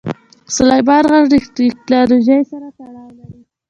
سلیمان غر له تکنالوژۍ سره تړاو لري.